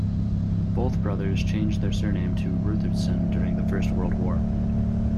Both brothers changed their surname to Rutherston during the First World War.